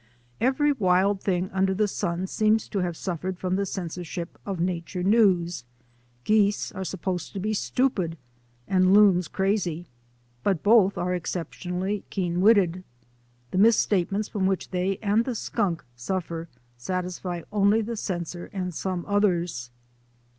Every wild thing under the sun seems to have suffered from the censorship of nature news. Geese are supposed to be stupid and loons crazy, but both are exceptionally keen witted. The misstatements from which they and the skunk suffer satisfy only the censor and some others.